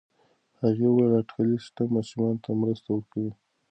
هغې وايي اټکلي سیستم ماشومانو ته مرسته ورکوي.